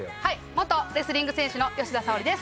元レスリング選手の吉田沙保里です。